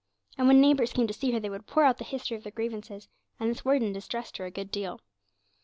And when the neighbours came in to see her they would pour out the history of their grievances, and this worried and distressed her a good deal.